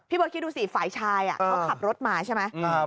เบิร์ตคิดดูสิฝ่ายชายเขาขับรถมาใช่ไหม